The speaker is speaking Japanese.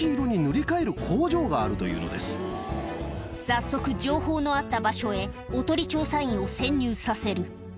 早速情報のあった場所へおとり調査員を潜入させる